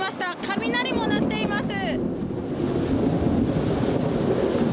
雷も鳴っています。